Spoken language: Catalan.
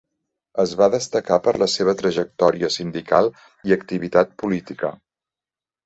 Es va destacar per la seva trajectòria sindical i activitat política.